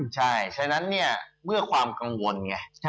ใช่ฉะนั้นเนี่ยเมื่อความกังวลไง